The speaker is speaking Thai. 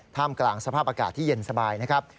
กลางสภาพอากาศที่เย็นสบายนะครับ